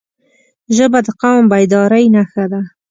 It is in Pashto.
ژبه د قوم بیدارۍ نښه ده